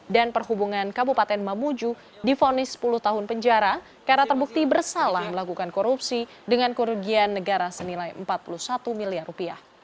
dan perhubungan kabupaten mamuju difonis sepuluh tahun penjara karena terbukti bersalah melakukan korupsi dengan kerugian negara senilai empat puluh satu miliar rupiah